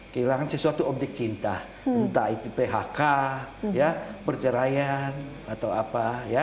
kehilangan sesuatu objek cinta entah itu phk perceraian atau apa